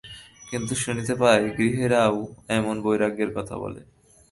কিন্তু শুনিতে পাই– গৃহীরাও এমন বৈরাগ্যের কথা বলে।